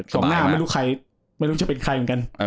สองหน้าไม่รู้จะเป็นใครเหมือนกัน